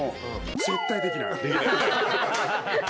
絶対にできない。